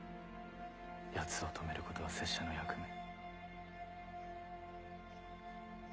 奴を止めることは拙者の役目。